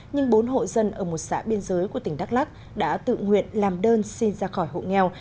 nhưng bốn hộ dân ở một xã biên giới của tỉnh đắk lắc đã tự nguyện làm đơn xin ra khỏi hộ nghèo